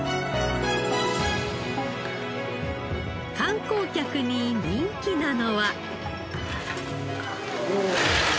観光客に人気なのは。